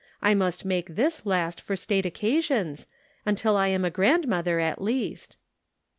I must make this last for state occa sions, until I am a grandmother at least."